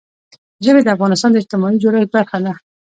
ژبې د افغانستان د اجتماعي جوړښت برخه ده.